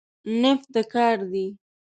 نفت د کار دی.